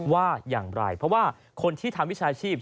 ว่าอย่างไรเพราะว่าคนที่ทำวิชาชีพ